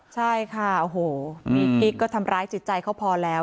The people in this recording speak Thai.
ใช่ค่ะโอ้โหมีกิ๊กก็ทำร้ายจิตใจเขาพอแล้ว